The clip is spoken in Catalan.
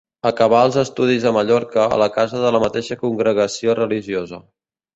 Acabà els estudis a Mallorca a la casa de la mateixa congregació religiosa.